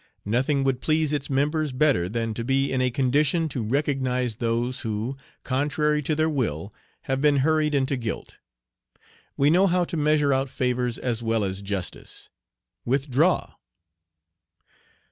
Nothing would please its members better than to be in a condition to recognize those who, contrary to their will, have been hurried into guilt. We know how to measure out favors as well as justice. Withdraw!"